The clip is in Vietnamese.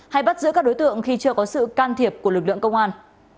hay bắt giữ các đối tượng khi chưa có sự can thiệp của lực lượng công an